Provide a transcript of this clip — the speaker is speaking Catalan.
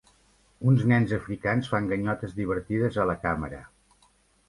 Uns nens africans fan ganyotes divertides a la càmera.